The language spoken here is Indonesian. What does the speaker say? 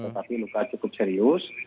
tapi luka cukup serius